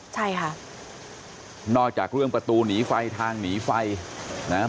ใช่ค่ะนอกจากเรื่องประตูหนีไฟทางหนีไฟนะฮะ